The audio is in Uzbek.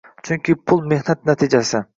Chunki pul mehnat natijasi –